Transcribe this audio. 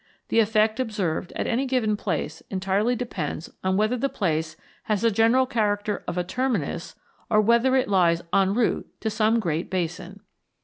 The effect observed at any given place entirely depends on whether the place has the general character of a terminus, or whether it lies en route to some great basin.